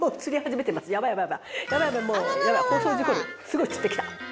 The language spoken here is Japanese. すごいつってきた。